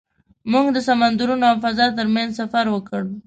موږ د سمندرونو او فضا تر منځ سفر وکړ.